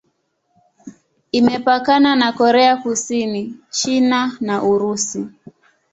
Imepakana na Korea Kusini, China na Urusi.